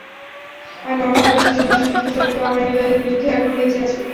আমি মর্মাহত হয়েছি, সন্ন্যাসের শিক্ষা সত্ত্বেও আমার হৃদয়বৃদ্ধি এখনও বেঁচে আছে।